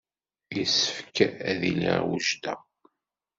Yessefk ad iliɣ wejdeɣ.